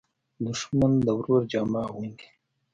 دښمن د ورور جامه اغوندي